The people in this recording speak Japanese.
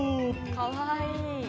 かわいい！